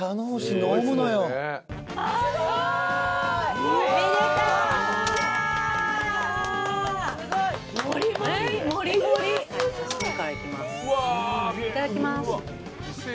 いただきます。